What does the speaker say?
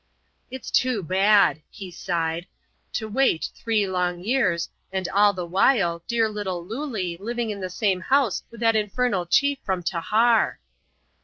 " It's too bad !" he sighed, " to wait three long years ; and all the while, dear little Lullee living in the same house with that infernal chief from Tahar